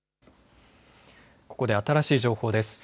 ここで新しい情報です。